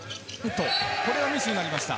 これはミスになりました。